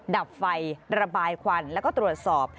ดับไฟระบายควันแล้วก็ตรวจสอบ